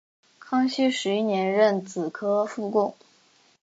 康熙十一年壬子科副贡。